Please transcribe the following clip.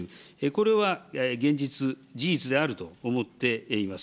これは現実事実であると思っています。